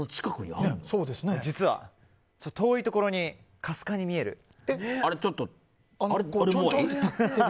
実は遠いところにかすかに見える。